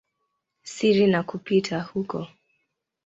siri na kupita huko.